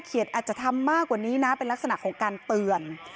อาจจะทำมากกว่านี้นะเป็นลักษณะของการเตือน